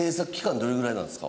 どれぐらいなんですか？